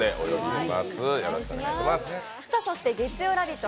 そして月曜日の「ラヴィット！」